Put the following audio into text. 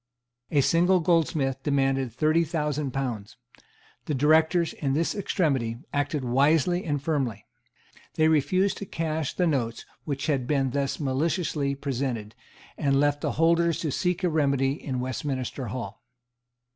A single goldsmith demanded thirty thousand pounds. The Directors, in this extremity, acted wisely and firmly. They refused to cash the notes which had been thus maliciously presented, and left the holders to seek a remedy in Westminster Hall.